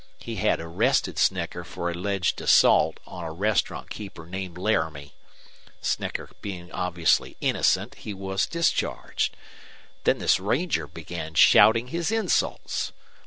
He had arrested Snecker for alleged assault on a restaurant keeper named Laramie. Snecker being obviously innocent, he was discharged. Then this ranger began shouting his insults.